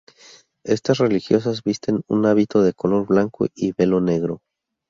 Estas religiosas visten un hábito de color blanco y velo negro.